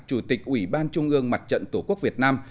chủ tịch ủy ban trung ương mặt trận tổ quốc việt nam